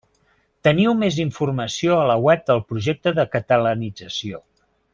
Teniu més informació a la web del projecte de catalanització.